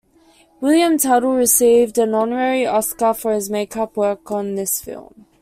William Tuttle received an honorary Oscar for his makeup work on this film.